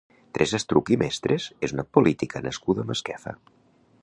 Teresa Estruch i Mestres és una política nascuda a Masquefa.